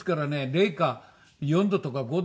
零下４度とか５度の中